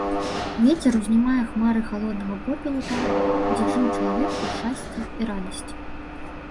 Вецер узнімае хмары халоднага попелу там, дзе жыў чалавек у шчасці і радасці.